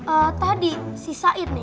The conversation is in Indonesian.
eh tadi si sait nih